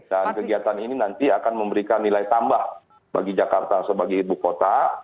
dan kegiatan ini nanti akan memberikan nilai tambah bagi jakarta sebagai ibu kota